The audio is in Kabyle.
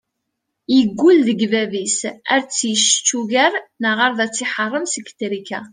Yeggul deg bab-is ar ad t-issečč ugar neɣ ad t-iḥeṛṛem seg trika.